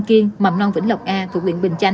cảm ơn các bạn